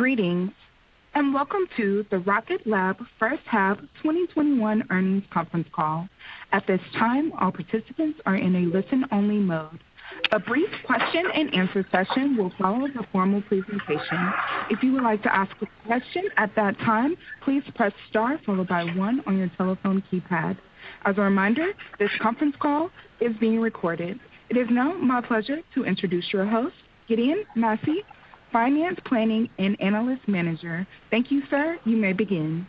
Greetings, and welcome to the Rocket Lab first half 2021 earnings conference call. At this time, all participants are in a listen-only mode. A brief question-and-answer session will follow the formal presentation. If you would like to ask a question at that time, please press star followed by one on your telephone keypad. As a reminder, this conference call is being recorded. It is now my pleasure to introduce your host, Gideon Massey, Finance Planning and Analyst Manager. Thank you, sir. You may begin.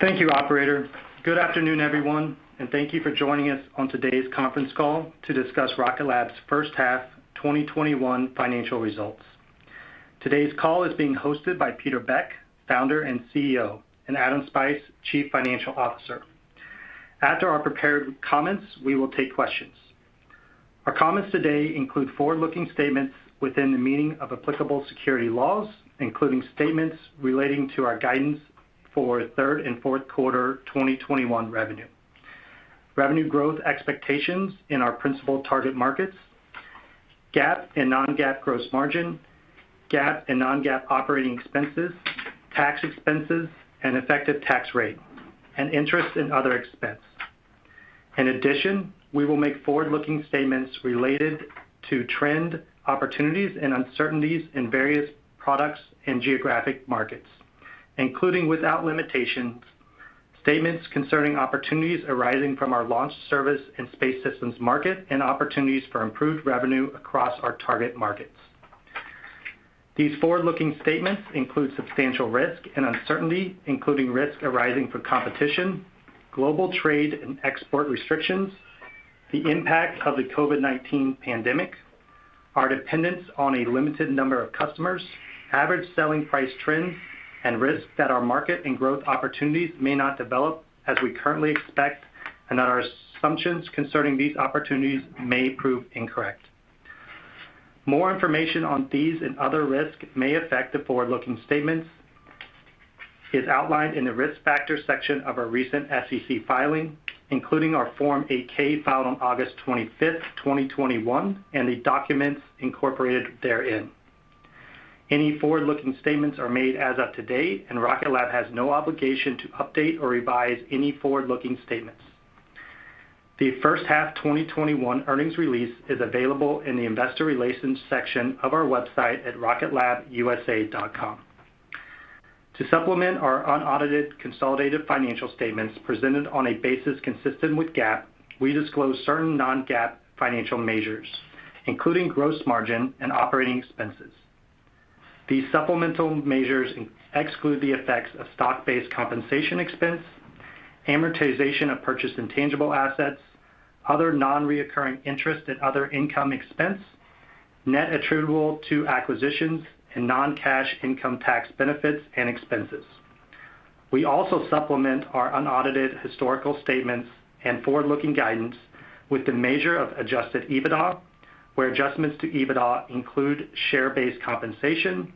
Thank you, operator. Good afternoon, everyone, thank you for joining us on today's conference call to discuss Rocket Lab's first half 2021 financial results. Today's call is being hosted by Peter Beck, founder and CEO, and Adam Spice, chief financial officer. After our prepared comments, we will take questions. Our comments today include forward-looking statements within the meaning of applicable security laws, including statements relating to our guidance for third and fourth quarter 2021 revenue growth expectations in our principal target markets, GAAP and non-GAAP gross margin, GAAP and non-GAAP operating expenses, tax expenses, and effective tax rate, and interest and other expense. In addition, we will make forward-looking statements related to trend opportunities and uncertainties in various products and geographic markets, including, without limitation, statements concerning opportunities arising from our Launch Services and Space Systems market and opportunities for improved revenue across our target markets. These forward-looking statements include substantial risk and uncertainty, including risk arising from competition, global trade and export restrictions, the impact of the COVID-19 pandemic, our dependence on a limited number of customers, average selling price trends, and risks that our market and growth opportunities may not develop as we currently expect, and that our assumptions concerning these opportunities may prove incorrect. More information on these and other risks may affect the forward-looking statements is outlined in the Risk Factors section of our recent SEC filing, including our Form 8-K filed on August 25th, 2021, and the documents incorporated therein. Any forward-looking statements are made as of to date, Rocket Lab has no obligation to update or revise any forward-looking statements. The first half 2021 earnings release is available in the investor relations section of our website at rocketlabusa.com. To supplement our unaudited consolidated financial statements presented on a basis consistent with GAAP, we disclose certain non-GAAP financial measures, including gross margin and operating expenses. These supplemental measures exclude the effects of stock-based compensation expense, amortization of purchased intangible assets, other non-recurring interest and other income expense, net attributable to acquisitions, and non-cash income tax benefits and expenses. We also supplement our unaudited historical statements and forward-looking guidance with the measure of adjusted EBITDA, where adjustments to EBITDA include share-based compensation,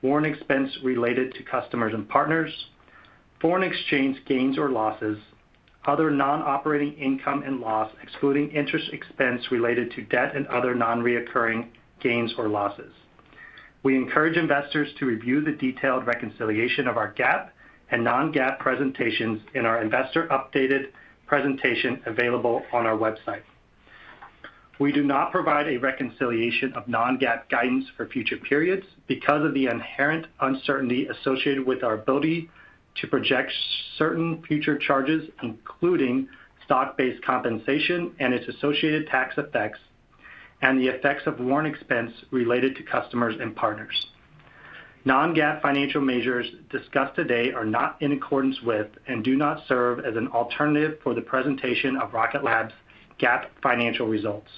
foreign expense related to customers and partners, foreign exchange gains or losses, other non-operating income and loss, excluding interest expense related to debt and other non-recurring gains or losses. We encourage investors to review the detailed reconciliation of our GAAP and non-GAAP presentations in our investor updated presentation available on our website. We do not provide a reconciliation of non-GAAP guidance for future periods because of the inherent uncertainty associated with our ability to project certain future charges, including stock-based compensation and its associated tax effects and the effects of foreign expense related to customers and partners. Non-GAAP financial measures discussed today are not in accordance with and do not serve as an alternative for the presentation of Rocket Lab's GAAP financial results.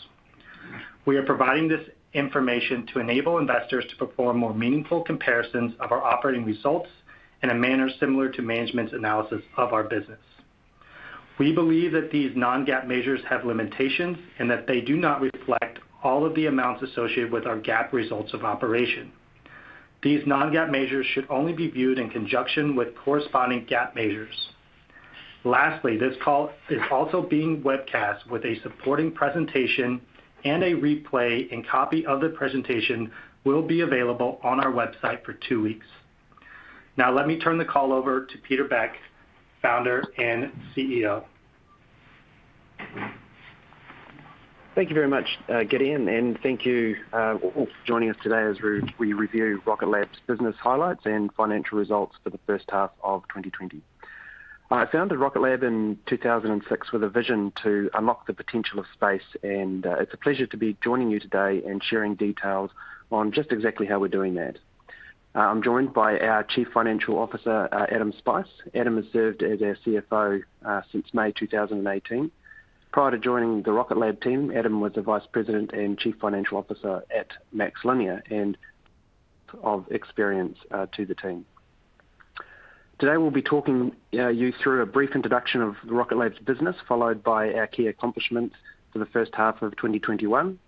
We are providing this information to enable investors to perform more meaningful comparisons of our operating results in a manner similar to management's analysis of our business. We believe that these non-GAAP measures have limitations and that they do not reflect all of the amounts associated with our GAAP results of operation. These non-GAAP measures should only be viewed in conjunction with corresponding GAAP measures. Lastly, this call is also being webcast with a supporting presentation, and a replay and copy of the presentation will be available on our website for two weeks. Now let me turn the call over to Peter Beck, founder and CEO. Thank you very much, Gideon, and thank you all for joining us today as we review Rocket Lab's business highlights and financial results for the first half of 2020. I founded Rocket Lab in 2006 with a vision to unlock the potential of space, and it's a pleasure to be joining you today and sharing details on just exactly how we're doing that. I'm joined by our Chief Financial Officer, Adam Spice. Adam has served as our CFO since May 2018. Prior to joining the Rocket Lab team, Adam was the vice president and chief financial officer at MaxLinear and of experience to the team. Today, we'll be talking you through a brief introduction of Rocket Lab's business, followed by our key accomplishments for the first half of 2021.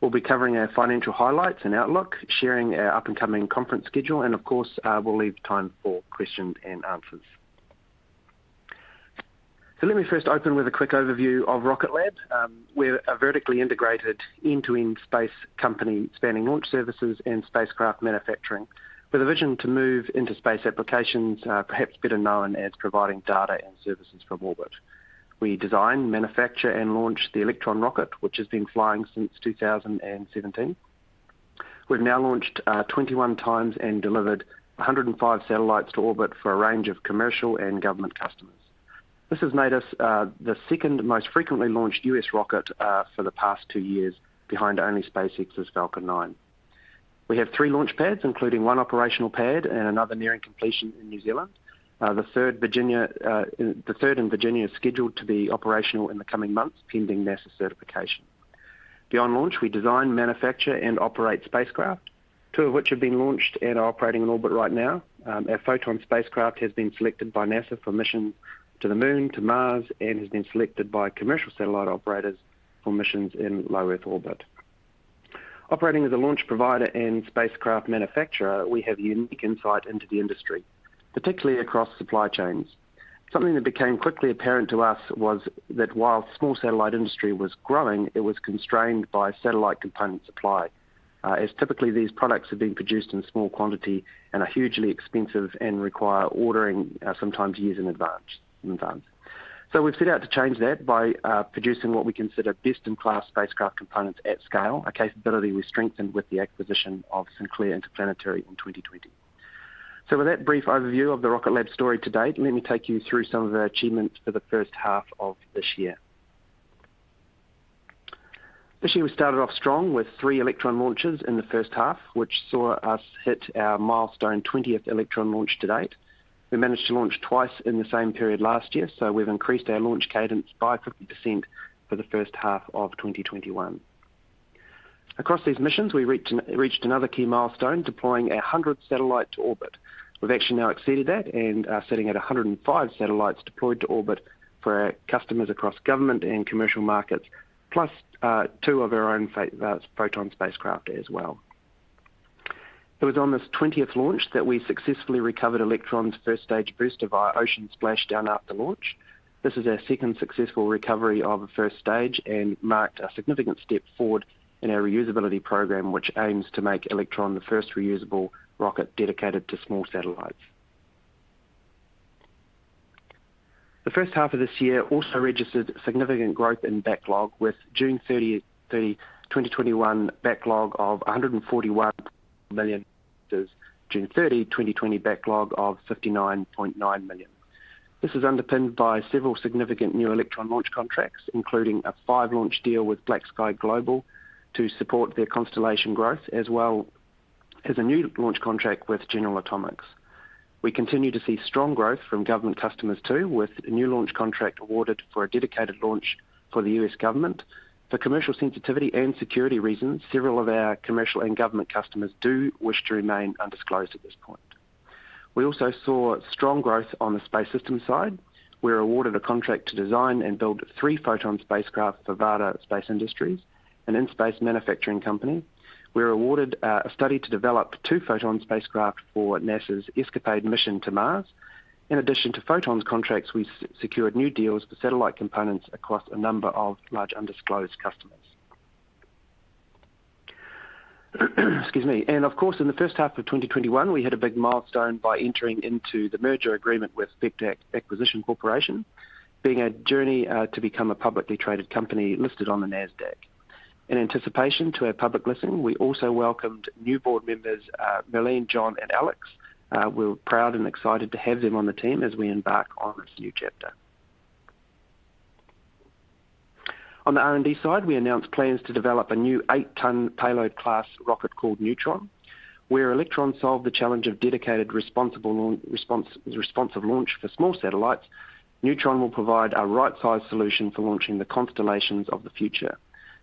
We'll be covering our financial highlights and outlook, sharing our up and coming conference schedule, and of course, we'll leave time for questions and answers. Let me first open with a quick overview of Rocket Lab. We're a vertically integrated end-to-end space company spanning launch services and spacecraft manufacturing with a vision to move into space applications, perhaps better known as providing data and services from orbit. We design, manufacture, and launch the Electron rocket, which has been flying since 2017. We've now launched 21 times and delivered 105 satellites to orbit for a range of commercial and government customers. This has made us the second most frequently launched US rocket for the past two years, behind only SpaceX's Falcon 9. We have three launch pads, including one operational pad and another nearing completion in New Zealand. The third in Virginia is scheduled to be operational in the coming months, pending NASA certification. Beyond launch, we design, manufacture, and operate spacecraft, two of which have been launched and are operating in orbit right now. Our Photon spacecraft has been selected by NASA for mission to the Moon, to Mars, and has been selected by commercial satellite operators for missions in low Earth orbit. Operating as a launch provider and spacecraft manufacturer, we have unique insight into the industry, particularly across supply chains. Something that became quickly apparent to us was that while small satellite industry was growing, it was constrained by satellite component supply. As typically these products have been produced in small quantity and are hugely expensive and require ordering sometimes years in advance. We've set out to change that by producing what we consider best-in-class spacecraft components at scale, a capability we strengthened with the acquisition of Sinclair Interplanetary in 2020. With that brief overview of the Rocket Lab story to date, let me take you through some of our achievements for the first half of this year. This year, we started off strong with three Electron launches in the first half, which saw us hit our milestone 20th Electron launch to date. We managed to launch twice in the same period last year, so we've increased our launch cadence by 50% for the first half of 2021. Across these missions, we reached another key milestone, deploying our 100th satellite to orbit. We've actually now exceeded that and are sitting at 105 satellites deployed to orbit for our customers across government and commercial markets, plus two of our own Photon spacecraft as well. It was on this 20th launch that we successfully recovered Electron's first stage booster via ocean splashdown after launch. This is our second successful recovery of a first stage and marked a significant step forward in our reusability program, which aims to make Electron the first reusable rocket dedicated to small satellites. The first half of this year also registered significant growth in backlog with June 30, 2021 backlog of $141 million versus June 30, 2020 backlog of $59.9 million. This is underpinned by several significant new Electron launch contracts, including a 5-launch deal with BlackSky Global to support their constellation growth, as well as a new launch contract with General Atomics. We continue to see strong growth from government customers, too, with a new launch contract awarded for a dedicated launch for the U.S. government. For commercial sensitivity and security reasons, several of our commercial and government customers do wish to remain undisclosed at this point. We also saw strong growth on the Space Systems side. We were awarded a contract to design and build three Photon spacecraft for Varda Space Industries, an in-space manufacturing company. We were awarded a study to develop two Photon spacecraft for NASA's ESCAPADE mission to Mars. In addition to Photon's contracts, we secured new deals for satellite components across a number of large undisclosed customers. Excuse me. Of course, in the first half of 2021, we hit a big milestone by entering into the merger agreement with Vector Acquisition Corporation, beginning our journey to become a publicly traded company listed on the NASDAQ. In anticipation to our public listing, we also welcomed new board members, Merline, Jon, and Alex. We're proud and excited to have them on the team as we embark on this new chapter. On the R&D side, we announced plans to develop a new 8 ton payload class rocket called Neutron. Where Electron solved the challenge of dedicated responsive launch for small satellites, Neutron will provide a right-size solution for launching the constellations of the future.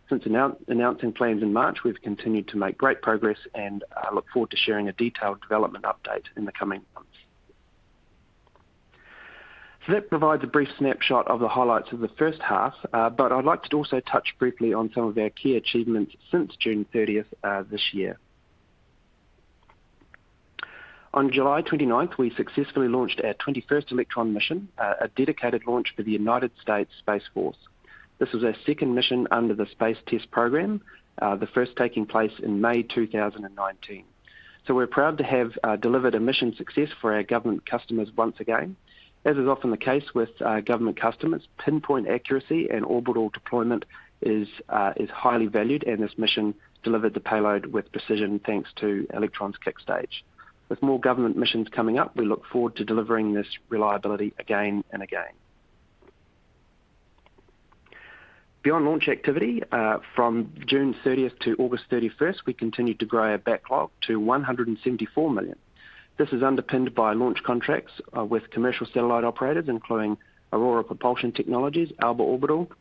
Since announcing plans in March, we've continued to make great progress and look forward to sharing a detailed development update in the coming months. That provides a brief snapshot of the highlights of the first half, but I'd like to also touch briefly on some of our key achievements since June 30th this year. On July 29th, we successfully launched our 21st Electron mission, a dedicated launch for the United States Space Force. This was our second mission under the Space Test Program, the first taking place in May 2019. We're proud to have delivered a mission success for our government customers once again. As is often the case with government customers, pinpoint accuracy and orbital deployment is highly valued, and this mission delivered the payload with precision, thanks to Electron's Kick Stage. With more government missions coming up, we look forward to delivering this reliability again and again. Beyond launch activity, from June 30th to August 31st, we continued to grow our backlog to $174 million. This is underpinned by launch contracts with commercial satellite operators, including Aurora Propulsion Technologies, Alba Orbital,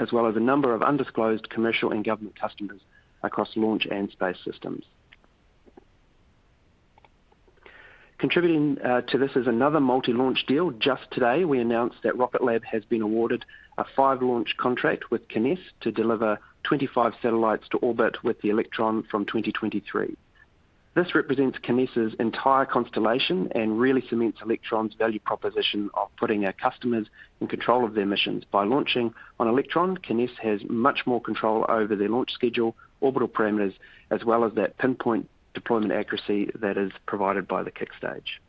as well as a number of undisclosed commercial and government customers across Launch Services and Space Systems. Contributing to this is another multi-launch deal. Just today, we announced that Rocket Lab has been awarded a five-launch contract with Kinéis to deliver 25 satellites to orbit with the Electron from 2023. This represents Kinéis' entire constellation and really cements Electron's value proposition of putting our customers in control of their missions. By launching on Electron, Kinéis has much more control over their launch schedule, orbital parameters, as well as that pinpoint deployment accuracy that is provided by the Kick Stage.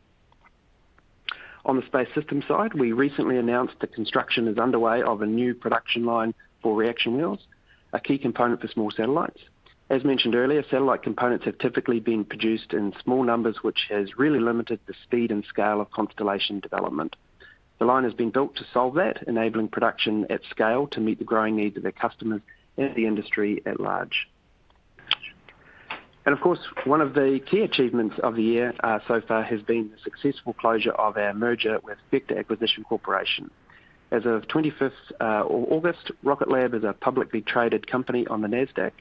On the Space Systems side, we recently announced that construction is underway of a new production line for reaction wheels, a key component for small satellites. As mentioned earlier, satellite components have typically been produced in small numbers, which has really limited the speed and scale of constellation development. The line has been built to solve that, enabling production at scale to meet the growing needs of their customers and the industry at large. Of course, one of the key achievements of the year so far has been the successful closure of our merger with Vector Acquisition Corporation. As of 25th August, Rocket Lab is a publicly traded company on the Nasdaq.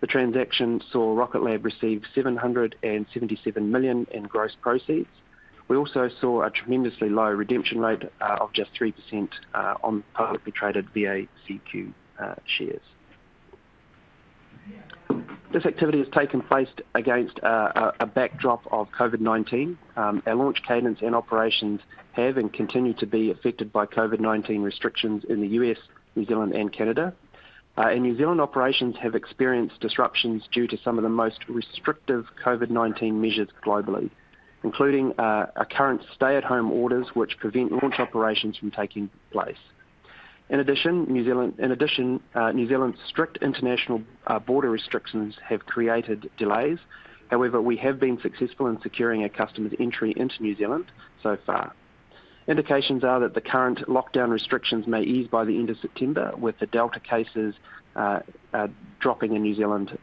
The transaction saw Rocket Lab receive $777 million in gross proceeds. We also saw a tremendously low redemption rate of just 3% on publicly traded VACQ shares. This activity has taken place against a backdrop of COVID-19. Our launch cadence and operations have and continue to be affected by COVID-19 restrictions in the U.S., New Zealand, and Canada. In New Zealand, operations have experienced disruptions due to some of the most restrictive COVID-19 measures globally, including our current stay-at-home orders, which prevent launch operations from taking place. In addition, New Zealand's strict international border restrictions have created delays. We have been successful in securing our customers entry into New Zealand so far. Indications are that the current lockdown restrictions may ease by the end of September, with the Delta cases dropping in New Zealand.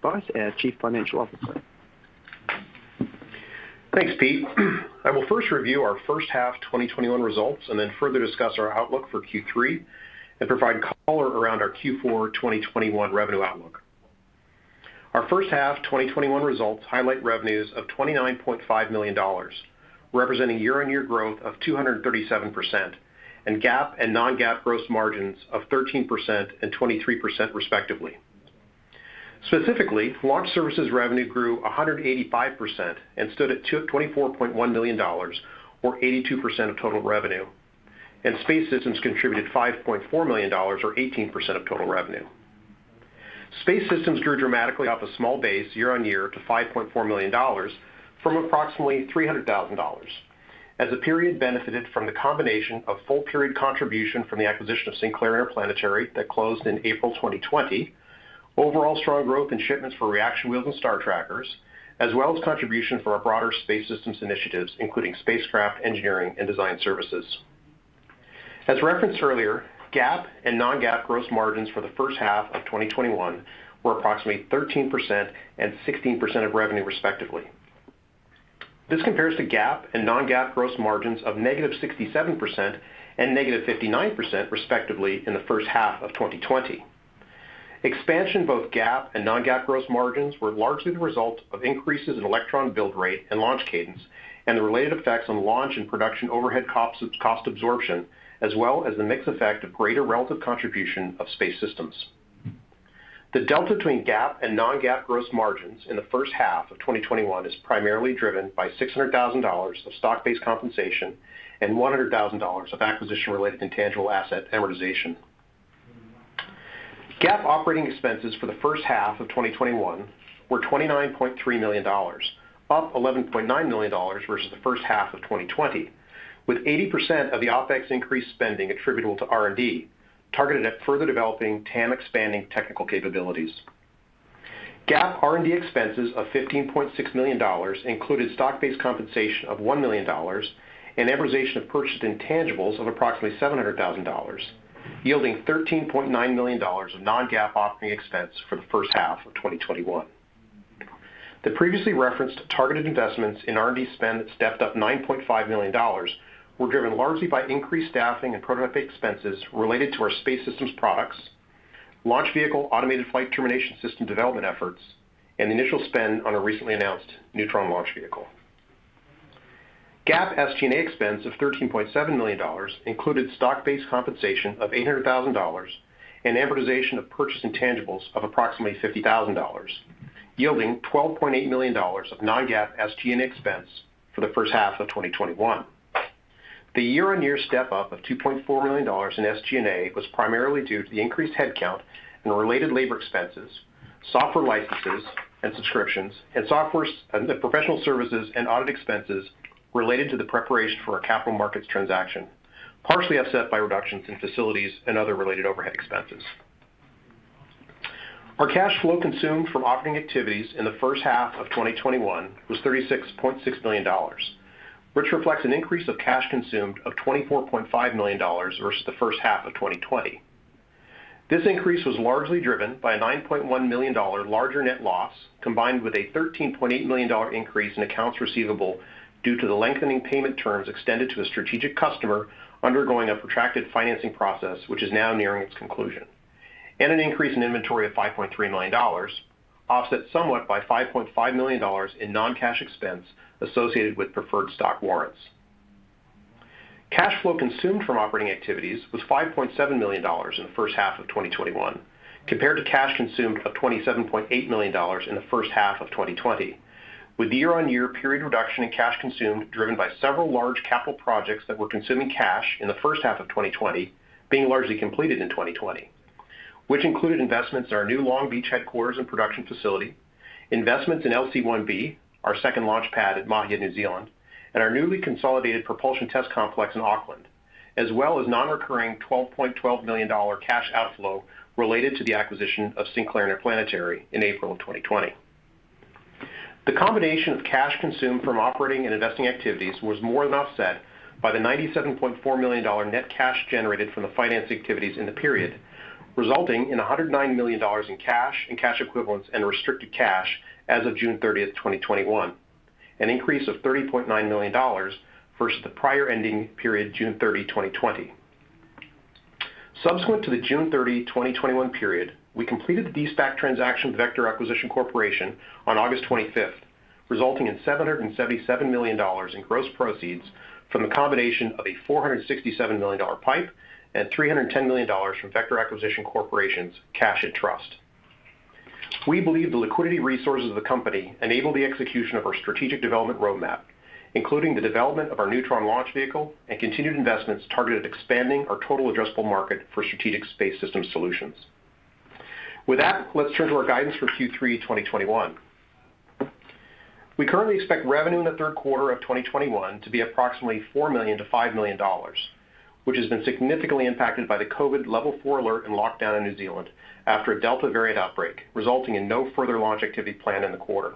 Spice, our Chief Financial Officer. Thanks, Pete. I will first review our first half 2021 results and then further discuss our outlook for Q3 and provide color around our Q4 2021 revenue outlook. Our first half 2021 results highlight revenues of $29.5 million, representing year-on-year growth of 237%, and GAAP and non-GAAP gross margins of 13% and 23% respectively. Specifically, launch services revenue grew 185% and stood at $24.1 million or 82% of total revenue, and Space Systems contributed $5.4 million or 18% of total revenue. Space Systems grew dramatically off a small base year-on-year to $5.4 million from approximately $300,000, as the period benefited from the combination of full-period contribution from the acquisition of Sinclair Interplanetary that closed in April 2020, and overall strong growth in shipments for reaction wheels and star trackers, as well as contribution for our broader Space Systems initiatives, including spacecraft engineering and design services. As referenced earlier, GAAP and non-GAAP gross margins for the first half of 2021 were approximately 13% and 16% of revenue respectively. This compares to GAAP and non-GAAP gross margins of -67% and -59%, respectively, in the first half of 2020. Expansion of both GAAP and non-GAAP gross margins were largely the result of increases in Electron build rate and launch cadence, and the related effects on launch and production overhead cost absorption, as well as the mix effect of greater relative contribution of Space Systems. The delta between GAAP and non-GAAP gross margins in the first half of 2021 is primarily driven by $600,000 of stock-based compensation and $100,000 of acquisition-related intangible asset amortization. GAAP operating expenses for the first half of 2021 were $29.3 million, up $11.9 million versus the first half of 2020, with 80% of the OPEX increase spending attributable to R&D targeted at further developing TAM-expanding technical capabilities. GAAP R&D expenses of $15.6 million included stock-based compensation of $1 million and amortization of purchased intangibles of approximately $700,000, yielding $13.9 million of non-GAAP operating expense for the first half of 2021. The previously referenced targeted investments in R&D spend that stepped up $9.5 million were driven largely by increased staffing and prototype expenses related to our Space Systems products, launch vehicle automated flight termination system development efforts, and the initial spend on a recently announced Neutron launch vehicle. GAAP SG&A expense of $13.7 million included stock-based compensation of $800,000 and amortization of purchased intangibles of approximately $50,000, yielding $12.8 million of non-GAAP SG&A expense for the first half of 2021. The year-on-year step-up of $2.4 million in SG&A was primarily due to the increased headcount and related labor expenses, software licenses and subscriptions, and professional services and audit expenses related to the preparation for our capital markets transaction, partially offset by reductions in facilities and other related overhead expenses. Our cash flow consumed from operating activities in the first half of 2021 was $36.6 million, which reflects an increase of cash consumed of $24.5 million versus the first half of 2020. This increase was largely driven by a $9.1 million larger net loss, combined with a $13.8 million increase in accounts receivable due to the lengthening payment terms extended to a strategic customer undergoing a protracted financing process, which is now nearing its conclusion. An increase in inventory of $5.3 million, offset somewhat by $5.5 million in non-cash expense associated with preferred stock warrants. Cash flow consumed from operating activities was $5.7 million in the first half of 2021, compared to cash consumed of $27.8 million in the first half of 2020, with the year-on-year period reduction in cash consumed driven by several large capital projects that were consuming cash in the first half of 2020 being largely completed in 2020, which included investments in our new Long Beach headquarters and production facility, investments in LC-1B, our second launch pad at Māhia, New Zealand, and our newly consolidated propulsion test complex in Auckland, as well as non-recurring $12.12 million cash outflow related to the acquisition of Sinclair Interplanetary in April of 2020. The combination of cash consumed from operating and investing activities was more than offset by the $97.4 million net cash generated from the financing activities in the period, resulting in $109 million in cash and cash equivalents and restricted cash as of June 30, 2021, an increase of $30.9 million versus the prior ending period, June 30, 2020. Subsequent to the June 30, 2021 period, we completed the de-SPAC transaction with Vector Acquisition Corporation on August 25, resulting in $777 million in gross proceeds from the combination of a $467 million PIPE and $310 million from Vector Acquisition Corporation's cash in trust. We believe the liquidity resources of the company enable the execution of our strategic development roadmap, including the development of our Neutron launch vehicle and continued investments targeted at expanding our total addressable market for strategic Space Systems solutions. With that, let's turn to our guidance for Q3 2021. We currently expect revenue in the third quarter of 2021 to be approximately $4 million-$5 million, which has been significantly impacted by the COVID-19 level 4 alert and lockdown in New Zealand after a Delta variant outbreak, resulting in no further launch activity planned in the quarter.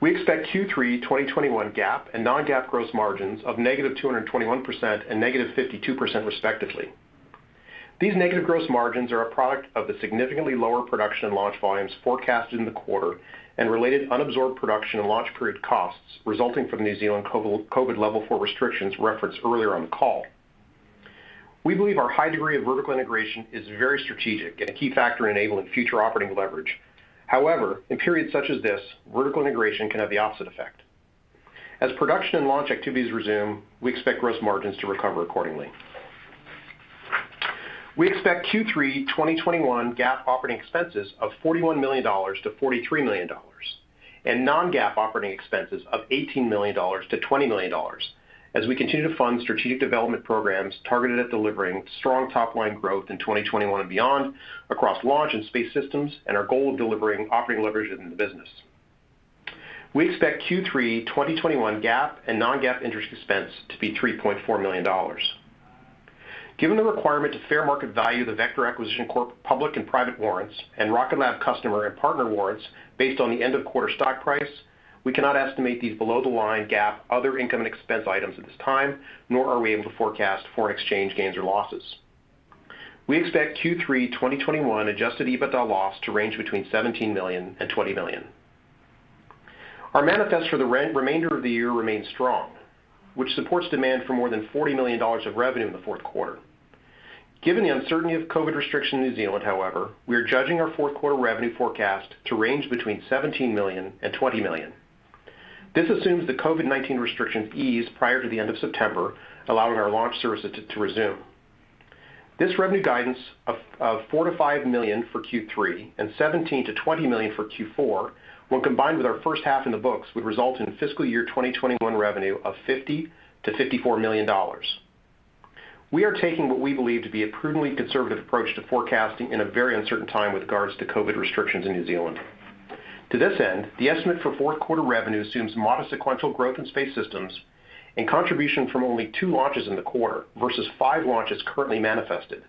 We expect Q3 2021 GAAP and non-GAAP gross margins of -221% and -52%, respectively. These negative gross margins are a product of the significantly lower production and launch volumes forecasted in the quarter and related unabsorbed production and launch period costs resulting from the New Zealand COVID-19 level 4 restrictions referenced earlier on the call. We believe our high degree of vertical integration is very strategic and a key factor enabling future operating leverage. However, in periods such as this, vertical integration can have the opposite effect. As production and launch activities resume, we expect gross margins to recover accordingly. We expect Q3 2021 GAAP operating expenses of $41 million-$43 million and non-GAAP operating expenses of $18 million-$20 million as we continue to fund strategic development programs targeted at delivering strong top-line growth in 2021 and beyond across Launch Services and Space Systems and our goal of delivering operating leverage in the business. We expect Q3 2021 GAAP and non-GAAP interest expense to be $3.4 million. Given the requirement to fair market value the Vector Acquisition Corporation public and private warrants and Rocket Lab customer and partner warrants based on the end of quarter stock price, we cannot estimate these below the line GAAP other income and expense items at this time, nor are we able to forecast foreign exchange gains or losses. We expect Q3 2021 adjusted EBITDA loss to range between $17 million and $20 million. Our manifest for the remainder of the year remains strong, which supports demand for more than $40 million of revenue in the fourth quarter. Given the uncertainty of COVID restrictions in New Zealand, however, we are judging our fourth quarter revenue forecast to range between $17 million and $20 million. This assumes the COVID-19 restrictions ease prior to the end of September, allowing our Launch Services to resume. This revenue guidance of $4 million-$5 million for Q3 and $17 million-$20 million for Q4, when combined with our first half in the books, would result in fiscal year 2021 revenue of $50 million-$54 million. We are taking what we believe to be a prudently conservative approach to forecasting in a very uncertain time with regards to COVID restrictions in New Zealand. To this end, the estimate for fourth quarter revenue assumes modest sequential growth in Space Systems and contribution from only two launches in the quarter versus five launches currently manifested.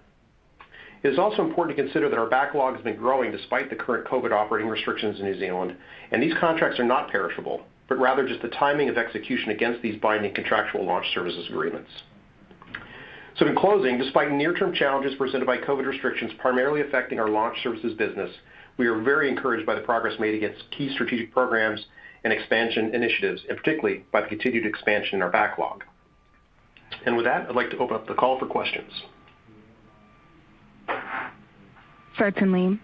It is also important to consider that our backlog has been growing despite the current COVID operating restrictions in New Zealand, and these contracts are not perishable, but rather just the timing of execution against these binding contractual Launch Services agreements. In closing, despite near-term challenges presented by COVID restrictions primarily affecting our Launch Services business, we are very encouraged by the progress made against key strategic programs and expansion initiatives, and particularly by the continued expansion in our backlog. With that, I'd like to open up the call for questions. Certainly.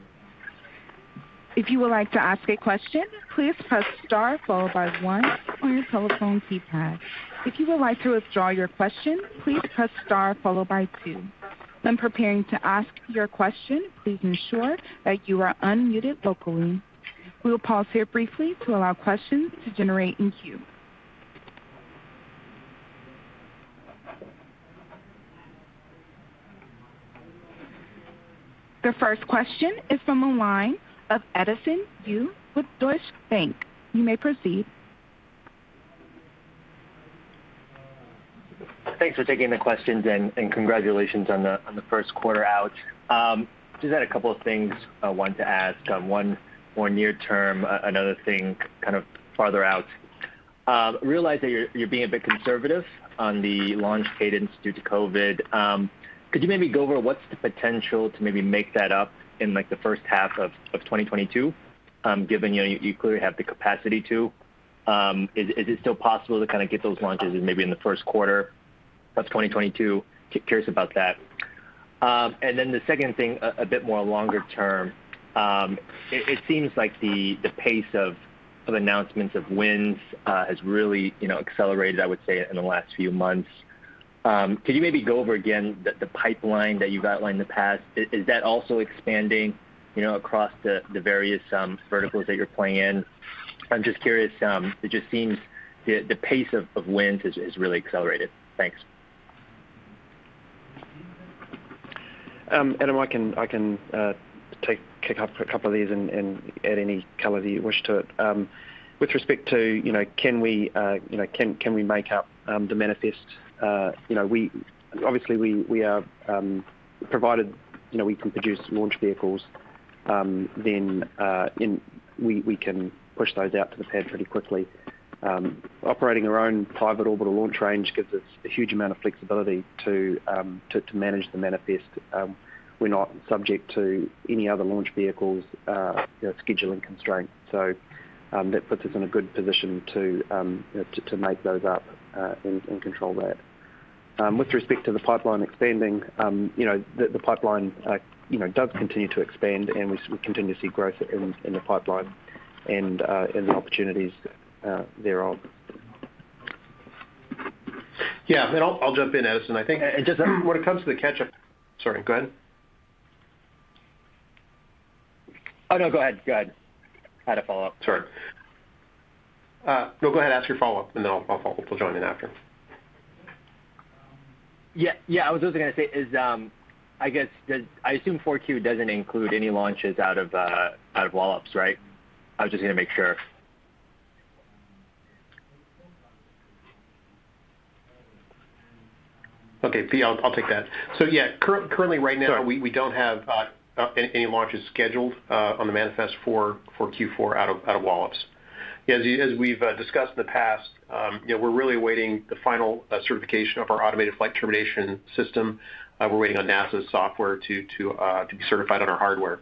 If you would like to ask a question, please press star followed by one on your telephone keypad. If you would like to withdraw your question, please press star followed by two. When preparing to ask your question, please ensure that you are unmuted vocally. We will pause here briefly to allow questions to generate in queue. The first question is from the line of Edison Yu with Deutsche Bank. You may proceed. Thanks for taking the questions and congratulations on the first quarter out. Just had a couple of things I wanted to ask. One more near term, another thing kind of farther out. Realize that you're being a bit conservative on the launch cadence due to COVID. Could you maybe go over what's the potential to maybe make that up in the first half of 2022, given you clearly have the capacity to? Is it still possible to get those launches maybe in the first quarter of 2022? Curious about that. The second thing, a bit more longer term. It seems like the pace of announcements of wins has really accelerated, I would say, in the last few months. Could you maybe go over again the pipeline that you've outlined in the past? Is that also expanding across the various verticals that you're playing in? I'm just curious. It just seems the pace of wins has really accelerated. Thanks. Adam, I can take a couple of these and add any color that you wish to it. With respect to can we make up the manifest? Obviously, provided we can produce launch vehicles, we can push those out to the pad pretty quickly. Operating our own private orbital launch range gives us a huge amount of flexibility to manage the manifest. We're not subject to any other launch vehicle's scheduling constraints. That puts us in a good position to make those up and control that. With respect to the pipeline expanding, the pipeline does continue to expand, and we continue to see growth in the pipeline and in the opportunities thereof. Yeah. I'll jump in, Edison. I think just when it comes to the catch-up Sorry, go ahead. Oh, no. Go ahead. I had a follow-up. Sorry. No, go ahead. Ask your follow-up, and then I'll jump in after. Yeah. I was just going to say, I assume 4Q doesn't include any launches out of Wallops, right? I was just going to make sure. Okay, Pete, I'll take that. yeah, currently right now. Sure We don't have any launches scheduled on the manifest for Q4 out of Wallops. As we've discussed in the past, we're really awaiting the final certification of our automated flight termination system. We're waiting on NASA's software to be certified on our hardware.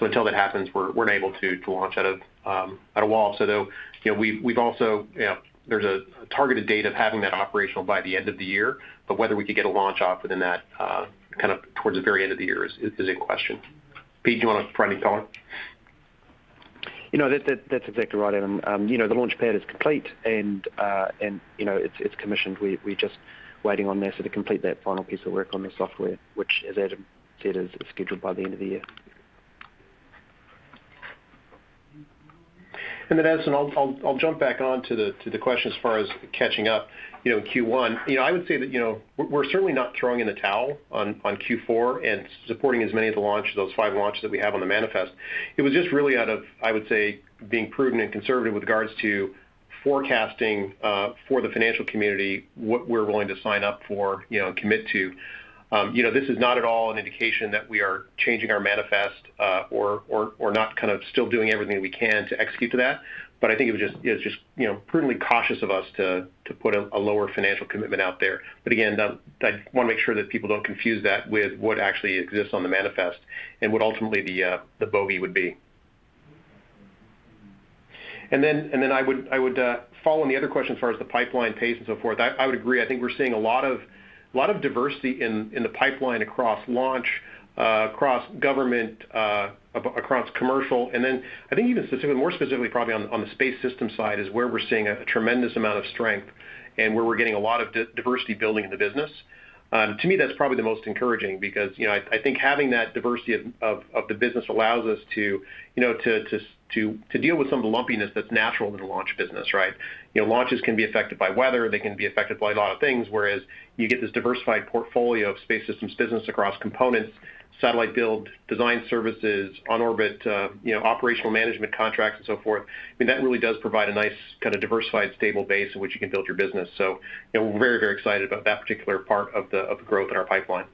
Until that happens, we're unable to launch out of Wallops. There's a targeted date of having that operational by the end of the year. Whether we could get a launch off within that towards the very end of the year is in question. Pete, do you want to provide any color? That's exactly right, Adam. The launch pad is complete, and it's commissioned. We're just waiting on NASA to complete that final piece of work on the software, which, as Adam said, is scheduled by the end of the year. Edison, I'll jump back on to the question as far as catching up Q1. I would say that we're certainly not throwing in the towel on Q4 and supporting as many of the launch, those five launches that we have on the manifest. It was just really out of being prudent and conservative with regards to forecasting for the financial community what we're willing to sign up for and commit to. This is not at all an indication that we are changing our manifest or not still doing everything we can to execute to that. I think it was just prudently cautious of us to put a lower financial commitment out there. Again, I want to make sure that people don't confuse that with what actually exists on the manifest and what ultimately the bogey would be. Then I would follow on the other question as far as the pipeline pace and so forth. I would agree. I think we're seeing a lot of diversity in the pipeline across Launch, across government, across commercial. Then I think even more specifically probably on the Space Systems side is where we're seeing a tremendous amount of strength and where we're getting a lot of diversity building in the business. To me, that's probably the most encouraging because I think having that diversity of the business allows us to deal with some of the lumpiness that's natural in the Launch business, right? Launches can be affected by weather. They can be affected by a lot of things, whereas you get this diversified portfolio of Space Systems business across components, satellite build, design services, on orbit operational management contracts, and so forth. That really does provide a nice kind of diversified, stable base in which you can build your business. We're very, very excited about that particular part of the growth in our pipeline.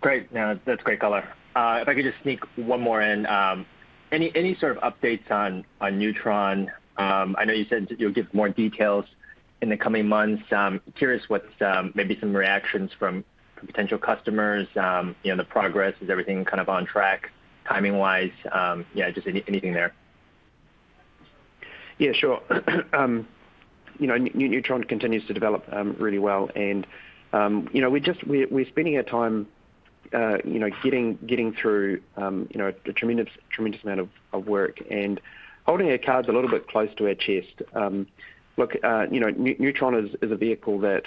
Great. No, that's great color. If I could just sneak one more in. Any sort of updates on Neutron? I know you said you'll give more details in the coming months. Curious what's maybe some reactions from potential customers, the progress. Is everything kind of on track timing-wise? Yeah, just anything there. Yeah, sure. Neutron continues to develop really well. We're spending our time getting through a tremendous amount of work and holding our cards a little bit close to our chest. Look, Neutron is a vehicle that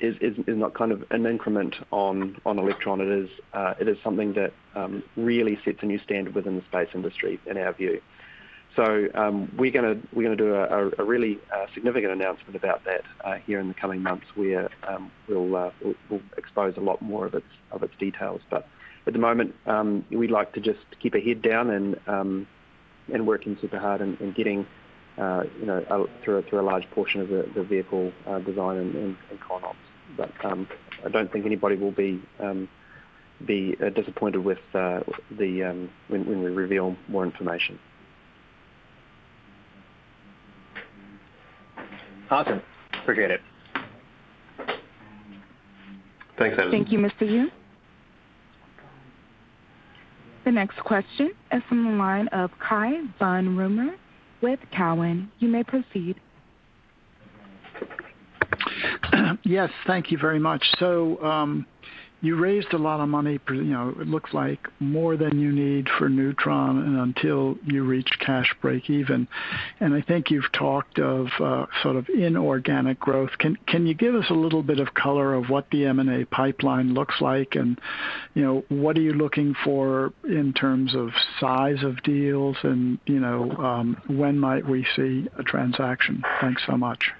is not kind of an increment on Electron. It is something that really sets a new standard within the space industry in our view. We're going to do a really significant announcement about that here in the coming months where we'll expose a lot more of its details. At the moment, we'd like to just keep our head down and work super hard in getting through a large portion of the vehicle design and con ops. I don't think anybody will be disappointed when we reveal more information. Awesome. Appreciate it. Thanks, Ed. Thank you, Mr. Yu. The next question is from the line of Cai von Rumohr with Cowen. You may proceed. Yes, thank you very much. You raised a lot of money. It looks like more than you need for Neutron until you reach cash breakeven. I think you've talked of sort of inorganic growth. Can you give us a little bit of color of what the M&A pipeline looks like and what are you looking for in terms of size of deals and when might we see a transaction? Thanks so much.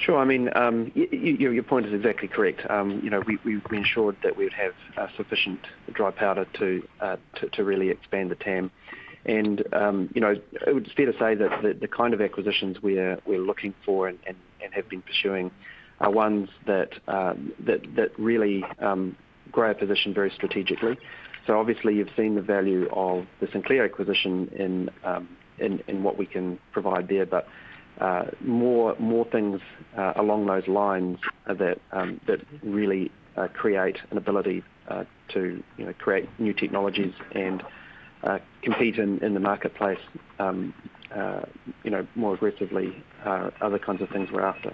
Sure. Your point is exactly correct. We've ensured that we'd have sufficient dry powder to really expand the TAM. It would be fair to say that the kind of acquisitions we're looking for and have been pursuing are ones that really grow our position very strategically. Obviously you've seen the value of the Sinclair acquisition in what we can provide there. More things along those lines that really create an ability to create new technologies and compete in the marketplace more aggressively are other kinds of things we're after.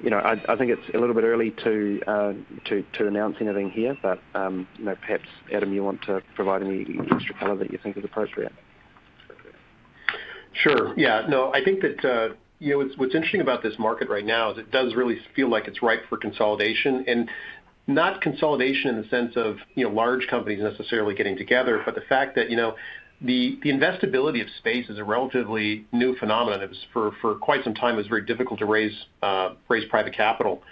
I think it's a little bit early to announce anything here. Perhaps, Adam, you want to provide any extra color that you think is appropriate. Sure. Yeah. I think that what's interesting about this market right now is it does really feel like it's ripe for consolidation, not consolidation in the sense of large companies necessarily getting together. The fact that the investability of space is a relatively new phenomenon. For quite some time, it was very difficult to raise private capital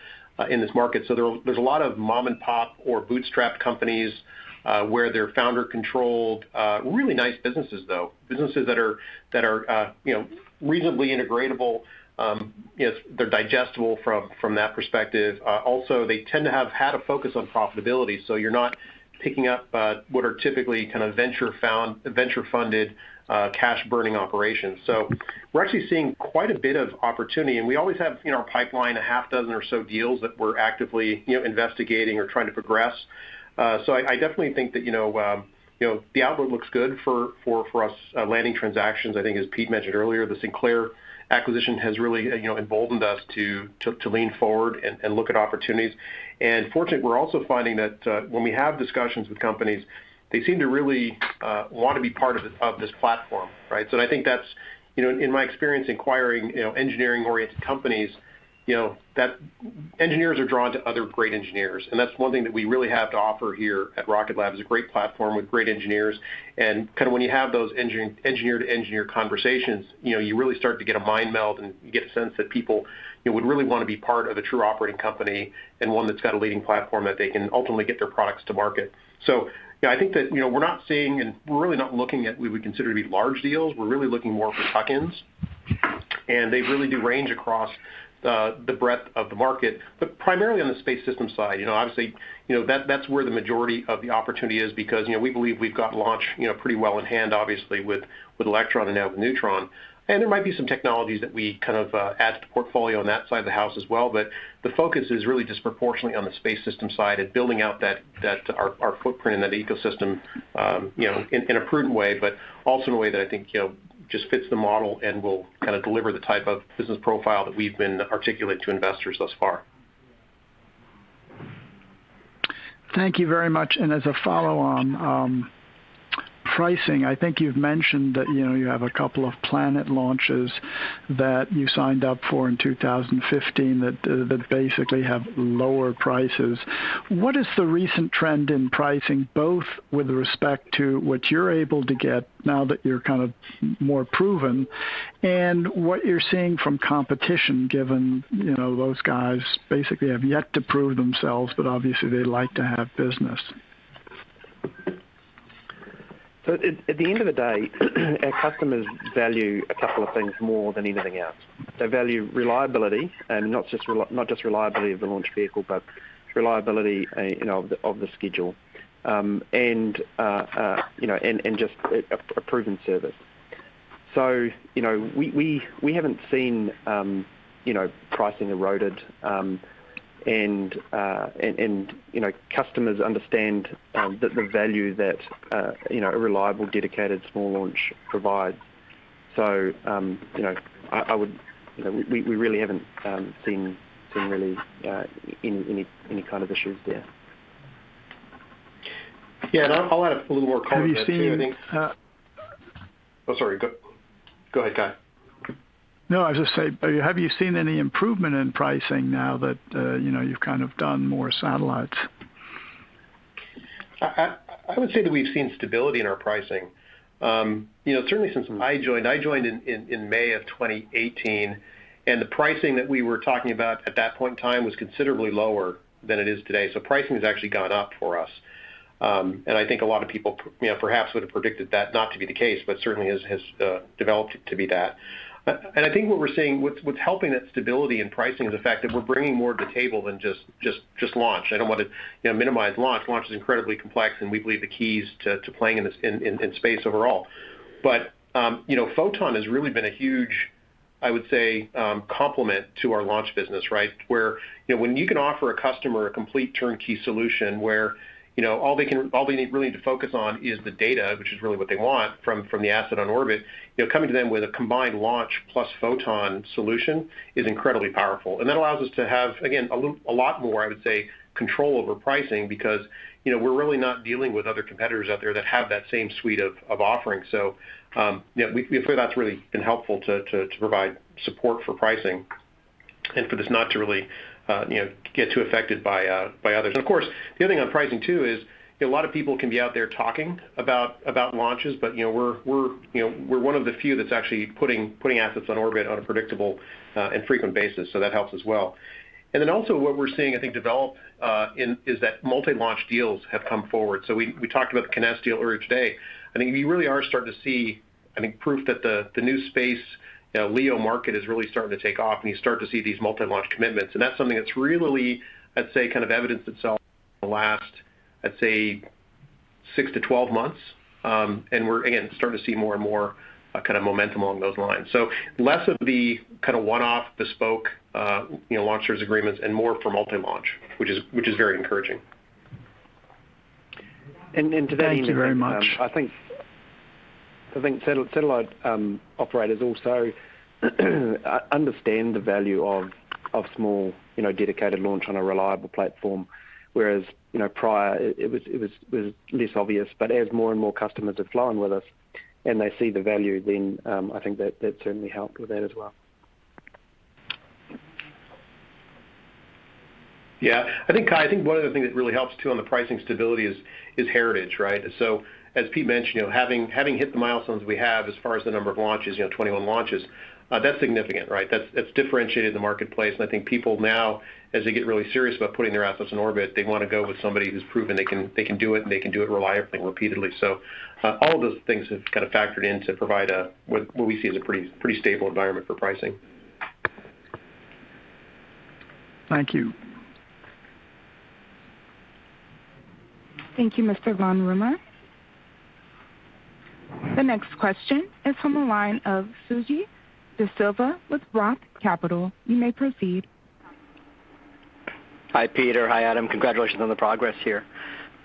in this market. There's a lot of mom-and-pop or bootstrap companies, where they're founder-controlled. Really nice businesses, though, businesses that are reasonably integratable. They're digestible from that perspective. Also, they tend to have had a focus on profitability, so you're not picking up what are typically kind of venture-funded, cash-burning operations. We're actually seeing quite a bit of opportunity, and we always have pipeline, a half dozen or so deals that we're actively investigating or trying to progress. I definitely think that the outlook looks good for us landing transactions. I think as Pete mentioned earlier, the Sinclair acquisition has really emboldened us to lean forward and look at opportunities. Fortunately, we're also finding that when we have discussions with companies, they seem to really want to be part of this platform, right? I think that's, in my experience in acquiring engineering-oriented companies, that engineers are drawn to other great engineers. That's one thing that we really have to offer here at Rocket Lab is a great platform with great engineers. When you have those engineer-to-engineer conversations, you really start to get a mind meld and you get a sense that people would really want to be part of a true operating company, and one that's got a leading platform that they can ultimately get their products to market. Yeah, I think that we're not seeing, and we're really not looking at what we would consider to be large deals. We're really looking more for tuck-ins, and they really do range across the breadth of the market. Primarily on the Space Systems side. Obviously, that's where the majority of the opportunity is because we believe we've got launch pretty well in hand obviously with Electron and now with Neutron. There might be some technologies that we kind of add to the portfolio on that side of the house as well. The focus is really disproportionately on the Space Systems side and building out our footprint in that ecosystem in a prudent way. Also in a way that I think just fits the model and will kind of deliver the type of business profile that we've been articulating to investors thus far. Thank you very much. As a follow-on, pricing. I think you've mentioned that you have a couple of planet launches that you signed up for in 2015 that basically have lower prices. What is the recent trend in pricing, both with respect to what you're able to get now that you're kind of more proven and what you're seeing from competition, given those guys basically have yet to prove themselves, but obviously they'd like to have business? At the end of the day our customers value a couple of things more than anything else. They value reliability, and not just reliability of the launch vehicle, but reliability of the schedule. Just a proven service. We haven't seen pricing eroded. Customers understand the value that a reliable, dedicated small launch provides. We really haven't seen any kind of issues there. Yeah, I'll add a little more color to that, too. Have you seen-- Oh, sorry. Go ahead, Cai. No, I was just saying, have you seen any improvement in pricing now that you've kind of done more satellites? I would say that we've seen stability in our pricing. Certainly since I joined. I joined in May of 2018, and the pricing that we were talking about at that point in time was considerably lower than it is today. Pricing has actually gone up for us. I think a lot of people perhaps would've predicted that not to be the case, but certainly has developed to be that. I think what we're seeing, what's helping that stability in pricing is the fact that we're bringing more to the table than just launch. I don't want to minimize launch. Launch is incredibly complex and we believe the key is to playing in space overall. Photon has really been a huge, I would say, complement to our launch business, right? When you can offer a customer a complete turnkey solution where all they really need to focus on is the data, which is really what they want from the asset on orbit. Coming to them with a combined launch plus Photon solution is incredibly powerful. That allows us to have, again, a lot more, I would say, control over pricing because we're really not dealing with other competitors out there that have that same suite of offerings. We feel that's really been helpful to provide support for pricing and for this not to really get too affected by others. Of course, the other thing on pricing too is, a lot of people can be out there talking about launches, but we're one of the few that's actually putting assets on orbit on a predictable and frequent basis, that helps as well. Also what we're seeing, I think, develop is that multi-launch deals have come forward. We talked about the Kinéis deal earlier today. I think we really are starting to see proof that the new space LEO market is really starting to take off, and you start to see these multi-launch commitments. That's something that's really, let's say, kind of evidenced itself in the last, let's say, 6-12 months. We're, again, starting to see more and more kind of momentum along those lines. Less of the kind of one-off bespoke launch service agreements and more for multi-launch, which is very encouraging. And to that end- Thank you very much. I think satellite operators also understand the value of small, dedicated launch on a reliable platform. Prior it was less obvious. As more and more customers have flown with us and they see the value, then I think that certainly helped with that as well. Yeah. I think, Cai, one of the things that really helps too, on the pricing stability is heritage, right? As Pete mentioned, having hit the milestones we have as far as the number of launches, 21 launches, that's significant, right? That's differentiated in the marketplace. I think people now, as they get really serious about putting their assets in orbit, they want to go with somebody who's proven they can do it and they can do it reliably and repeatedly. All of those things have kind of factored in to provide what we see as a pretty stable environment for pricing. Thank you. Thank you, Mr. von Rumohr. The next question is from the line of Suji Desilva with ROTH Capital. You may proceed. Hi, Peter. Hi, Adam. Congratulations on the progress here.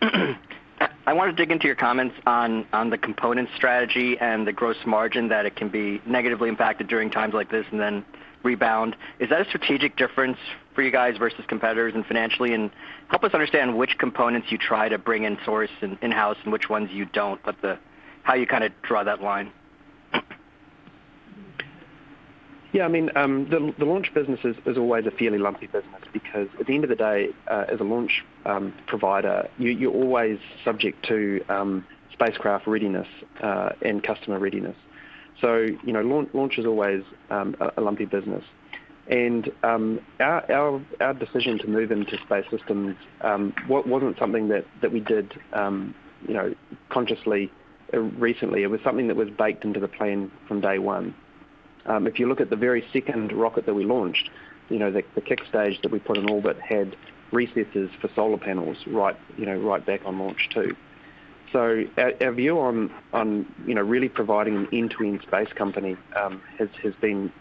I want to dig into your comments on the component strategy and the gross margin that it can be negatively impacted during times like this and then rebound. Is that a strategic difference for you guys versus competitors and financially? Help us understand which components you try to bring in-source and in-house and which ones you don't, but how you kind of draw that line. Yeah. The launch business is always a fairly lumpy business because at the end of the day, as a launch provider, you're always subject to spacecraft readiness, and customer readiness. Launch is always a lumpy business. Our decision to move into Space Systems wasn't something that we did consciously or recently. It was something that was baked into the plan from day one. If you look at the very second rocket that we launched, the Kick Stage that we put in orbit had recesses for solar panels right back on launch two. Our view on really providing an end-to-end space company has been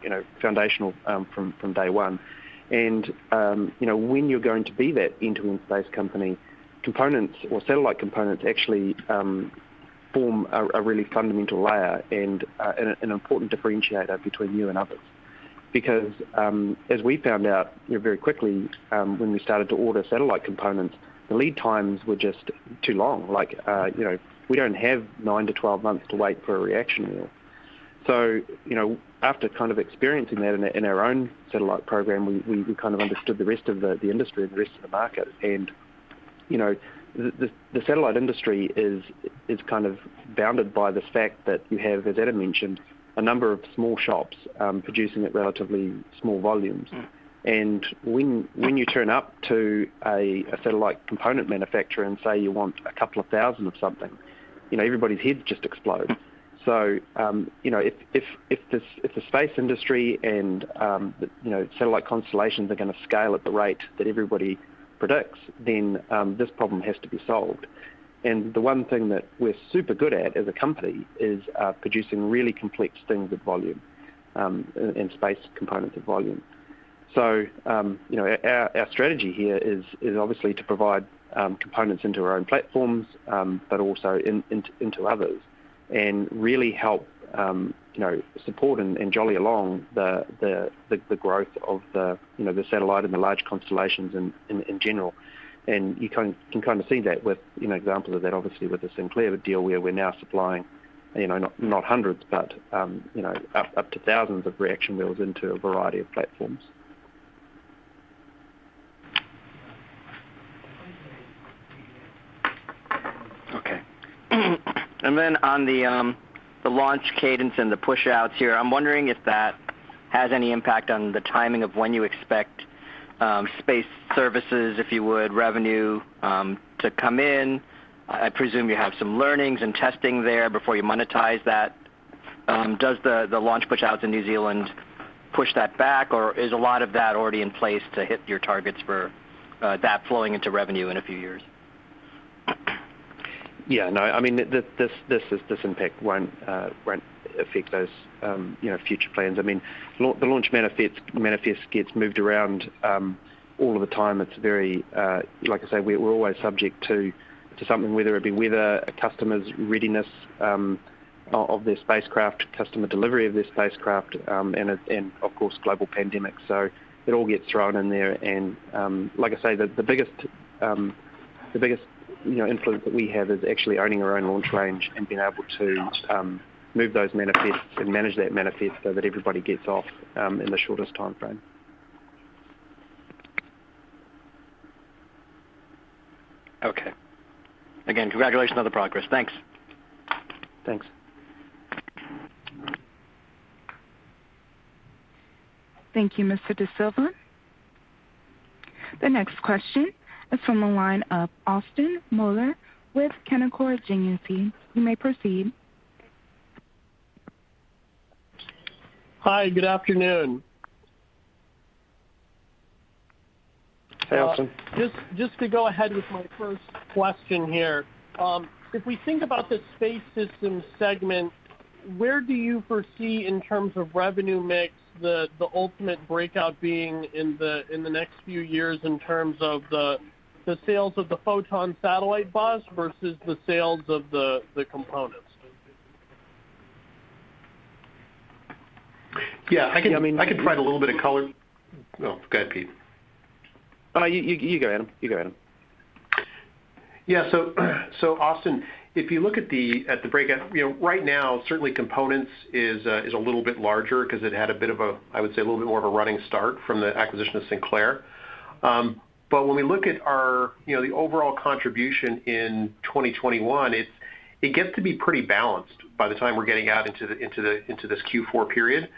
foundational from day one. When you're going to be that end-to-end space company, components or satellite components actually form a really fundamental layer and an important differentiator between you and others. As we found out very quickly, when we started to order satellite components, the lead times were just too long. We don't have 9-12 months to wait for a reaction wheel. After kind of experiencing that in our own satellite program, we kind of understood the rest of the industry and the rest of the market. The satellite industry is kind of bounded by the fact that you have, as Adam mentioned, a number of small shops producing at relatively small volumes. When you turn up to a satellite component manufacturer and say you want a couple of 1,000 of something, everybody's heads just explode. If the space industry and satellite constellations are gonna scale at the rate that everybody predicts, then this problem has to be solved. The one thing that we're super good at as a company is producing really complex things at volume, and space components at volume. Our strategy here is obviously to provide components into our own platforms, but also into others. Really help support and jolly along the growth of the satellite and the large constellations in general. You can kind of see that with examples of that, obviously, with the Sinclair deal where we're now supplying not hundreds, but up to thousands of reaction wheels into a variety of platforms. Okay. On the launch cadence and the push-outs here, I'm wondering if that has any impact on the timing of when you expect space services, if you would, revenue to come in? I presume you have some learnings and testing there before you monetize that. Does the launch pushouts in New Zealand push that back, or is a lot of that already in place to hit your targets for that flowing into revenue in a few years? Yeah. No, this impact won't affect those future plans. The launch manifest gets moved around all of the time. Like I say, we're always subject to something, whether it be weather, a customer's readiness of their spacecraft, customer delivery of their spacecraft, and of course, global pandemic. It all gets thrown in there. Like I say, the biggest influence that we have is actually owning our own launch range and being able to move those manifests and manage that manifest so that everybody gets off in the shortest timeframe. Okay. Again, congratulations on the progress. Thanks. Thanks. Thank you, Mr. Desilva. The next question is from the line of Austin Moeller with Canaccord Genuity. You may proceed. Hi, good afternoon. Hey, Austin. Just to go ahead with my first question here. If we think about the Space Systems segment, where do you foresee, in terms of revenue mix, the ultimate breakout being in the next few years in terms of the sales of the Photon satellite bus versus the sales of the components? Yeah. I can provide a little bit of color. No, go ahead, Pete. You go, Adam. Yeah. Austin, if you look at the breakout, right now, certainly components is a little bit larger because it had a bit of a, I would say a little bit more of a running start from the acquisition of Sinclair. When we look at the overall contribution in 2021, it gets to be pretty balanced by the time we're getting out into this Q4 period.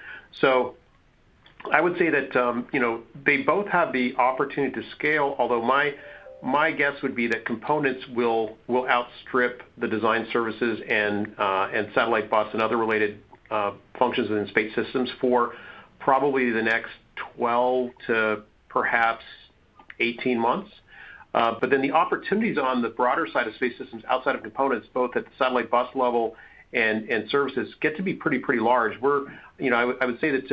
I would say that they both have the opportunity to scale, although my guess would be that components will outstrip the design services and satellite bus and other related functions in Space Systems for probably the next 12 months to perhaps 18 months. Then the opportunities on the broader side of Space Systems outside of components, both at the satellite bus level and services get to be pretty large. I would say that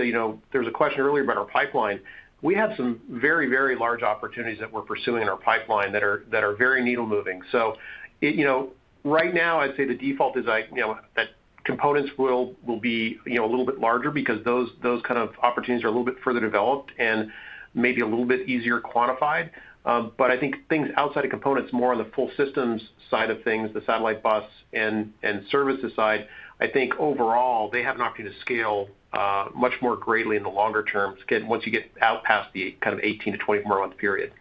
there was a question earlier about our pipeline. We have some very large opportunities that we're pursuing in our pipeline that are very needle-moving. Right now, I'd say the default is that components will be a little bit larger because those kind of opportunities are a little bit further developed and maybe a little bit easier quantified. I think things outside of components, more on the full Systems side of things, the satellite bus and services side, I think overall, they have an opportunity to scale much more greatly in the longer term once you get out past the kind of 18-24-month period.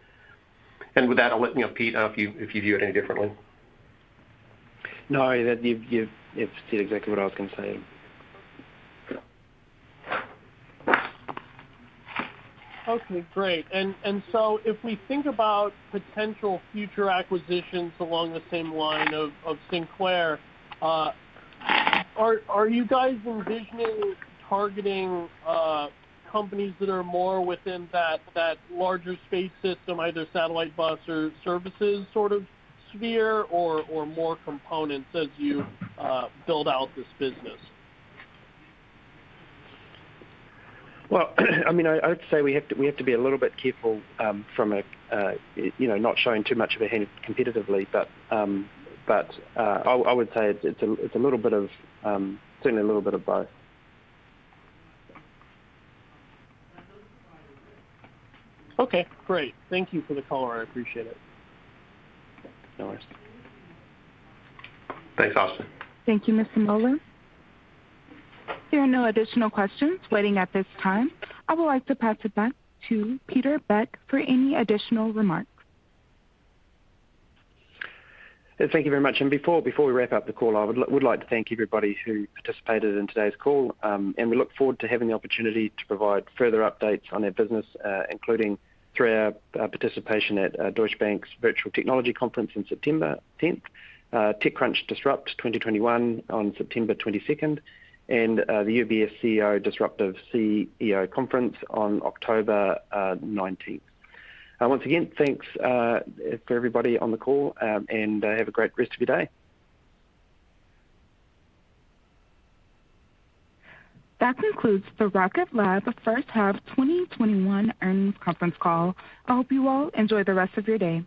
With that, I'll let you know, Pete, if you view it any differently. No, you've stated exactly what I was going to say. Okay, great. If we think about potential future acquisitions along the same line of Sinclair, are you guys envisioning targeting companies that are more within that larger space system, either satellite bus or services sort of sphere or more components as you build out this business? I would say we have to be a little bit careful from not showing too much of a hand competitively, but I would say it's certainly a little bit of both. Okay, great. Thank you for the color. I appreciate it. No worries. Thanks, Austin. Thank you, Mr. Moeller. There are no additional questions waiting at this time. I would like to pass it back to Peter Beck for any additional remarks. Thank you very much. Before we wrap up the call, I would like to thank everybody who participated in today's call. We look forward to having the opportunity to provide further updates on our business including through our participation at Deutsche Bank Virtual Technology Conference in September 10th, TechCrunch Disrupt 2021 on September 22nd, and the UBS Disruptive Technology CEO Summit on October 19th. Once again, thanks for everybody on the call, and have a great rest of your day. That concludes the Rocket Lab First Half 2021 Earnings Conference Call. I hope you all enjoy the rest of your day.